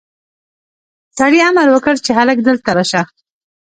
سړي امر وکړ چې هلک دلته راشه.